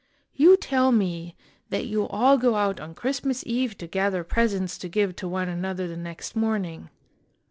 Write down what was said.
You tell me that you all go out on Christmas Eve to gather presents to give to one another the next morning.